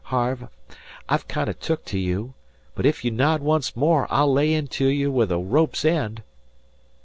Harve, I've kinder took to you, but ef you nod onct more I'll lay into you with a rope's end."